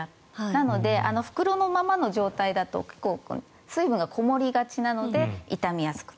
なので、袋のままの状態だと結構、水分がこもりがちなので傷みやすい。